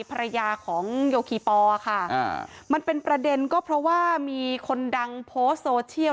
ภรรยาของโยคีปอค่ะมันเป็นประเด็นก็เพราะว่ามีคนดังโพสต์โซเชียล